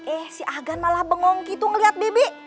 eh si agan malah bengong gitu ngeliat bebek